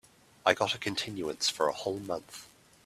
I got a continuance for a whole month.